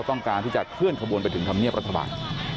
ต้องการที่จะเคลื่อนขบวนไปถึงธรรมเนียบรัฐบาล